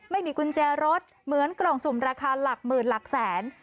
ไม่มีกุญแจรถเหมือนกล่องสุ่มราคาหลักหมื่นหลักแสน